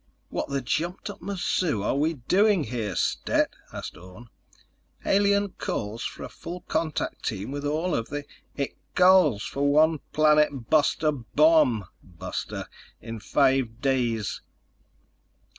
"What the jumped up mazoo are we doing here, Stet?" asked Orne. "Alien calls for a full contact team with all of the—" "It calls for one planet buster bomb ... buster—in five days.